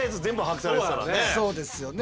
そうですよね。